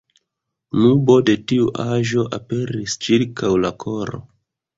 Nubo de tiu aĵo aperis ĉirkaŭ la koro.